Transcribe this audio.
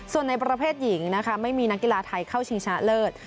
ส่วนในประเภทหญิงนะคะไม่มีนักกีฬาไทยเข้าชิงชนะเลิศ